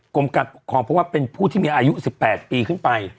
กลมกับพวกเขาว่าเป็นผู้ที่มีอายุ๑๘ปีขึ้นไป